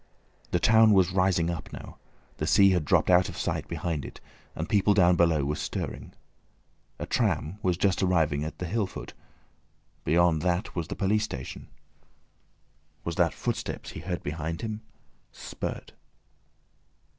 The town was rising up now, the sea had dropped out of sight behind it, and people down below were stirring. A tram was just arriving at the hill foot. Beyond that was the police station. Was that footsteps he heard behind him? Spurt.